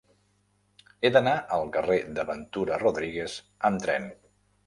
He d'anar al carrer de Ventura Rodríguez amb tren.